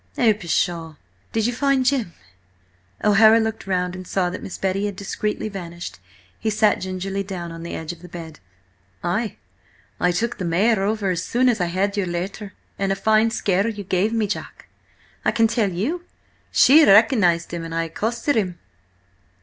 "Oh, pshaw! Did you find Jim?" O'Hara looked round and saw that Miss Betty had discreetly vanished. He sat gingerly down on the edge of the bed. "Ay. I took the mare over as soon as I had your letter–and a fine scare you gave me, Jack, I can tell you! She recognised him, and I accosted him."